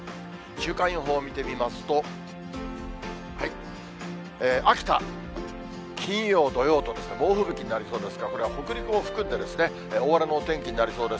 週間予報を見てみますと、秋田、金曜、土曜と猛吹雪になりそうですから、これは北陸を含んで、大荒れのお天気になりそうです。